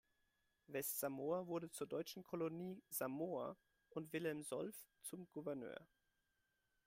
Westsamoa wurde zur deutschen Kolonie "Samoa" und Wilhelm Solf zum Gouverneur.